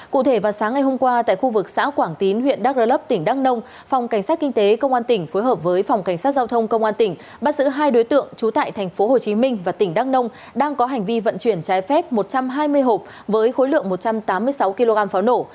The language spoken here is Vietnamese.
cụ thể vào sáng ngày hôm qua tại khu vực xã quảng tín huyện đắk rơ lấp tỉnh đắk nông phòng cảnh sát kinh tế công an tỉnh phối hợp với phòng cảnh sát giao thông công an tỉnh bắt giữ hai đối tượng trú tại tp hcm và tỉnh đắk nông đang có hành vi vận chuyển trái phép một trăm hai mươi hộp với khối lượng một trăm tám mươi sáu kg pháo nổ